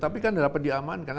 tapi kan dapat diamankan